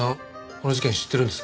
この事件知ってるんですか？